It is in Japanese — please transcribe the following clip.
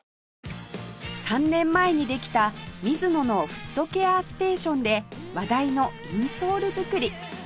３年前にできたミズノのフットケアステーションで話題のインソール作り